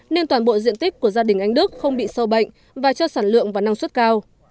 nên toàn bộ diện tích của gia đình anh đức không bị sâu bệnh và cho sản lượng vào năng suất cao